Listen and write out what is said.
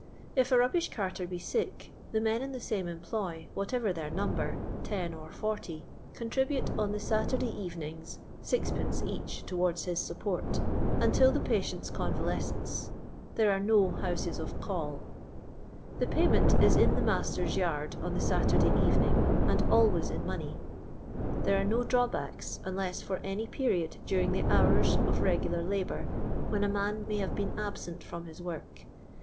If a rubbish carter be sick, the men in the soiiie employ, whatever their number, ]0 or 40, contribute on the Saturday ercuings 6d. each, towards his support, until the patient's conva lescence. There are no lionses of Call. TIm* paymcRt t* in the waster's yard on the Saturday evening, and always in money. There are no drawl)ackft, unless for any period during the houra of regular labour, wlien a man may have been absent from hi:* work.